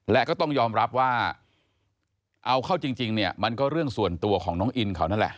และก็ต้องยอมรับว่าเอาเข้าจริงเนี่ยมันก็เรื่องส่วนตัวของน้องอินเขานั่นแหละ